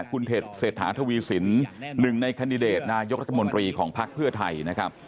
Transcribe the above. คุณเศรษฐาทวีสินหนึ่งในคันดิเดตนายกรัฐมนตรีของภักดิ์เพื่อไทยนะครับ